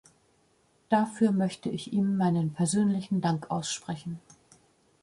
Dafür möchte ich ihm meinen persönlichen Dank aussprechen.